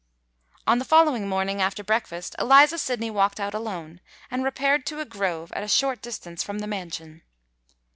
On the following morning, after breakfast, Eliza Sydney walked out alone, and repaired to a grove at a short distance from the mansion.